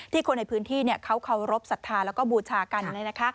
ที่คนในพื้นที่เขารบศรัทธาและก็บูชากัน